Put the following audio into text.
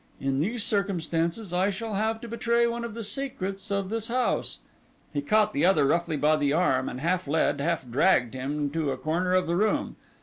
In these circumstances I shall have to betray one of the secrets of this house." He caught the other roughly by the arm and half led, half dragged, him to a corner of the room.